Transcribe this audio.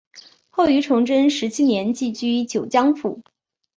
后于崇祯十七年寄居九江府。